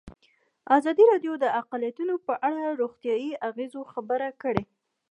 ازادي راډیو د اقلیتونه په اړه د روغتیایي اغېزو خبره کړې.